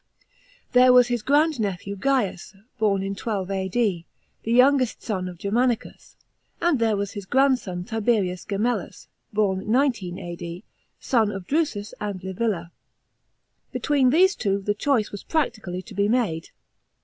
There was his grand nephew Gains (born in 12 A.D,), the youngest son of Germanicus, and there was his grandson Tiberius Gemellus (born 19 A.D.), son of Drusus and Li villa. Between these two the choice was practically to be made.